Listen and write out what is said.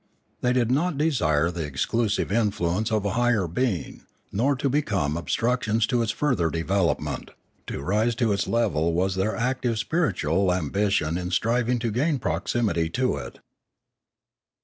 They did not desire the exclusive influence of a higher being, nor to become obstructions to its further development; to rise to its level was their active spiritual ambition in striv ing to gain proximity to it.